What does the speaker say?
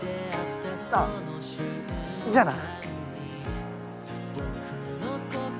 あっじゃあな。